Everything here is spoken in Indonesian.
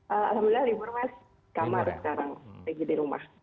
alhamdulillah libur mas kamar sekarang